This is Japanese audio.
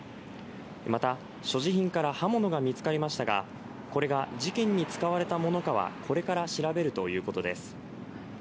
また、所持品から刃物が見つかりましたがこれが事件に使われたものかはこれから調べるということです。